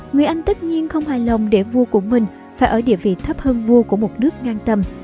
người anh tất nhiên không hài lòng để vua của mình phải ở địa vị thấp hơn vua của một nước ngang tầm